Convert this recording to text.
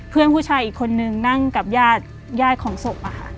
เพื่อนผู้ชายอีกคนนึงนั่งกับญาติญาติของศพอะค่ะ